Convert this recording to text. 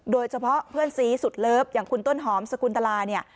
โดยเฉพาะเพื่อนซีสุดเลิฟอย่างคุณต้นหอมสกุลตลาเนี่ย